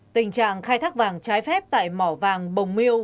tình trạng khai thác vàng trái phép tại mỏ vàng bồng miêu